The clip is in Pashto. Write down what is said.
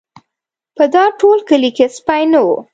په دا ټول کلي کې سپی نه و.